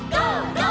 ゴー！」